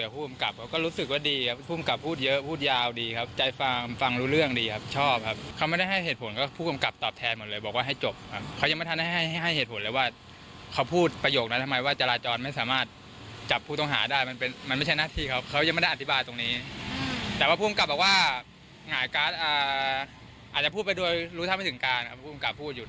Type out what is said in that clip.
หายกาศอาจจะพูดไปด้วยรู้เผ่าไม่ถึงการครับ